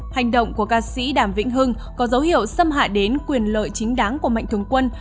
hành động của ca sĩ đàm vĩnh hưng có dấu hiệu xâm hại đến quyền lợi chính đáng của mạnh thường quân